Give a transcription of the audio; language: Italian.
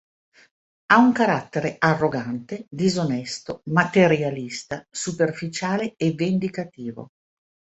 Ha un carattere arrogante, disonesto, materialista, superficiale e vendicativo.